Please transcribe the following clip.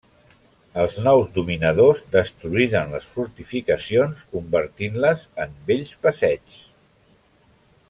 Els nous dominadors destruïren les fortificacions, convertint-les en bells passeigs.